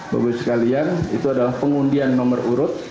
bagi sekalian itu adalah pengundian nomor urut